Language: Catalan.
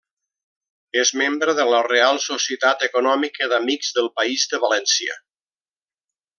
És membre de la Reial Societat Econòmica d'Amics del País de València.